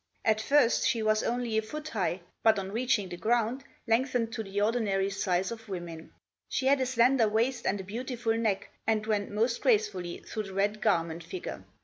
At first she was only a foot high, but on reaching the ground lengthened to the ordinary size of women. She had a slender waist and a beautiful neck, and went most gracefully through the Red Garment figure.